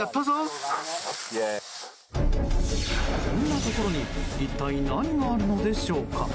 こんなところに一体何があるのでしょうか。